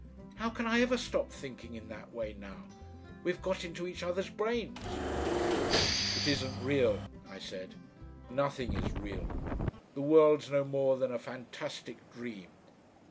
How can I ever stop thinking in that way now? We've got into each other's brains." "It isn't real," I said; "nothing is real. The world's no more than a fantastic dream.